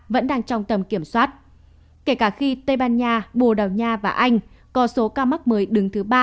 vẫn đang trong tầm kiểm soát kể cả khi tây ban nha bồ đào nha và anh có số ca mắc mới đứng thứ ba